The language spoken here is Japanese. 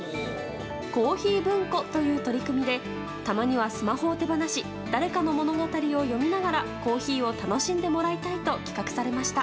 珈琲文庫という取り組みでたまにはスマホを手放し誰かの物語を読みながらコーヒーを楽しんでもらいたいと企画されました。